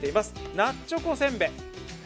「ナッチョコせんべ」。